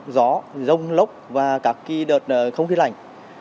gió rông lốc và các đợt không khí lạnh